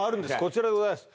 こちらでございます